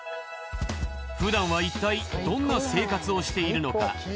ふだんはいったいどんな生活をしているのか？